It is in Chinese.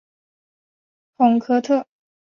孔科特。